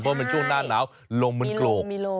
เพราะมันช่วงหน้าหนาวลมมันโกรก